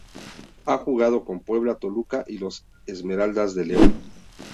Ha jugado con Puebla, Toluca y los Esmeraldas de León.